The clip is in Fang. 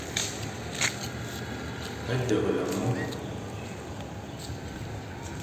Deghle mo.